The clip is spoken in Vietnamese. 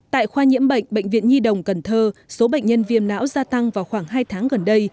tại khoa nhiễm bệnh bệnh viện nhi đồng cần thơ số bệnh nhân viêm não gia tăng vào khoảng hai tháng gần đây